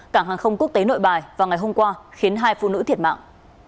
cảng hàng không quốc tế nội bài vào ngày hôm qua khiến hai phụ nữ thiệt mạng